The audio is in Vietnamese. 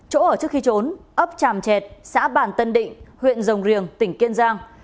chỗ ở trước khi trốn ấp chàm chẹt xã bản tân định huyện rồng riềng tỉnh kiên giang